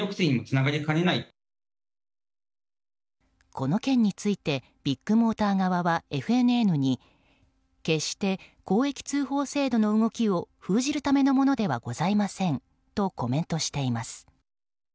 この件についてビッグモーター側はＦＮＮに決して公益通報制度の動きを封じるためのものではございませんとコメントしています。